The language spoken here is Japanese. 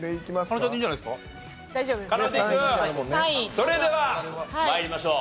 それでは参りましょう。